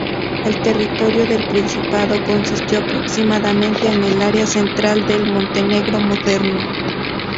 El territorio del principado consistió aproximadamente en el área central del Montenegro moderno.